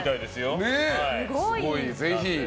すごい、ぜひ。